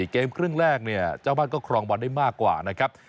เกมครึ่งแรกเนี่ยเจ้าบ้านก็ครองบอลได้มากกว่านะครับ